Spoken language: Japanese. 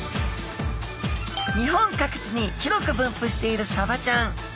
日本各地に広く分布しているサバちゃん。